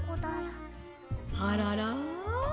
「あらら？」。